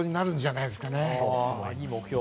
いい目標。